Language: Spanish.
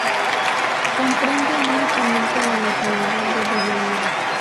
Comprende únicamente la localidad de Villanueva.